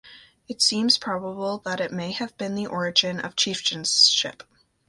It seems probable that it may have been the origin of chieftainship.